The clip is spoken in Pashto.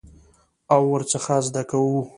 او ورڅخه زده کوو.